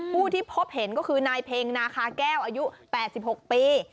ผู้ที่พบเห็นก็คือนายเพ็งนาคาแก้วอายุ๘๖ปี